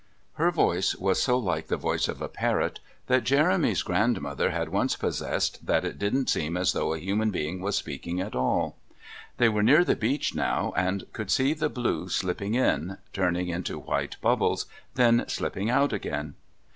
Her voice was so like the voice of a parrot that Jeremy's grandmother had once possessed that it didn't seem as though a human being was speaking at all. They were near the beach now and could see the blue slipping in, turning into white bubbles, then slipping out again.